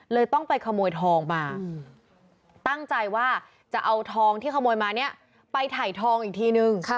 ต้องไปขโมยทองมาตั้งใจว่าจะเอาทองที่ขโมยมาเนี่ยไปถ่ายทองอีกทีนึง